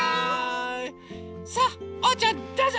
さあおうちゃんどうぞ！